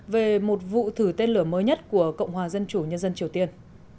về một vụ thử tên lửa mới nhất của cộng hòa dân chủ nhân dân triều tiên